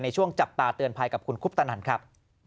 ช่วงจับตาเตือนภัยกับคุณคุปตนันครับ